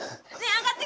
上がって！